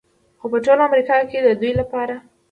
خو په ټول امریکا کې د دوی لپاره